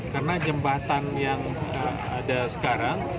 karena jembatan yang ada sekarang